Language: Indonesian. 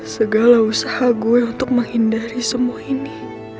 segala usaha gue untuk menghindari semua ini